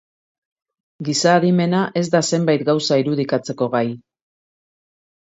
Giza adimena ez da zenbait gauza irudikatzeko gai.